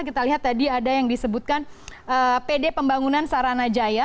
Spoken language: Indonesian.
kita lihat tadi ada yang disebutkan pd pembangunan saranajaya